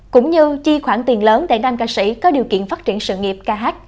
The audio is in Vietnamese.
cũng như chi khoản tiền lớn để nam ca sĩ có điều kiện phát triển sự nghiệp kh